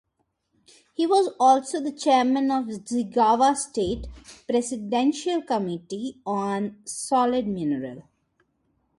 He was also the Chairman Jigawa State Presidential Committee on Solid Mineral.